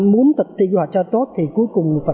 muốn thực thi hoạch ra tốt thì cuối cùng